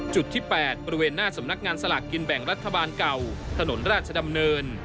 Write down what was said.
จุดที่๘บริเวณหน้าสำนักงานสลากกินแบ่งรัฐบาลเก่าถนนราชดำเนิน